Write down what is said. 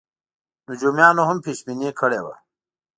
نجومیانو هم پېش بیني کړې وه.